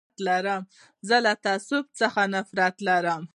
زه له تعصب څخه نفرت لرم.